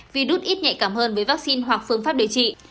virus ít nhạy cảm hơn với vaccine hoặc phương pháp điều trị